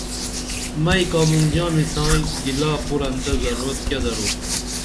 مئی کانگُن ژامی سائی گِلا کُرنتہ ضرورت کیہ درو